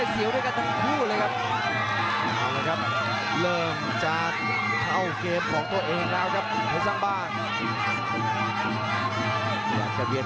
ส่วนข้าวอย่ามาจังหวะเกี่ยว